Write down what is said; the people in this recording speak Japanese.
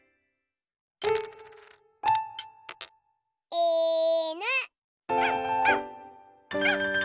いぬ！